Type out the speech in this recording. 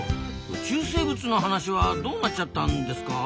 宇宙生物の話はどうなっちゃったんですか？